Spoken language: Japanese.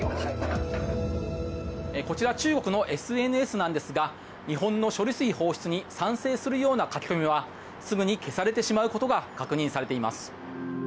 こちら中国のＳＮＳなんですが日本の処理水放出に賛成するような書き込みはすぐに消されてしまうことが確認されています。